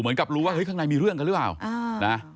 เหมือนกับรู้ว่าเฮ้ยข้างในมีเรื่องกันหรือเปล่านะ